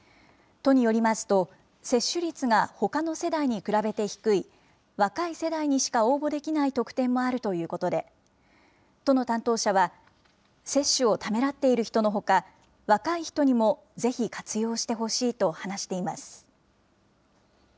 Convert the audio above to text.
都によりますと、接種率がほかの世代に比べて低い、若い世代にしか応募できない特典もあるということで、都の担当者は、接種をためらっている人のほか、若い人にも、ぜひ活用してほしいと話しています。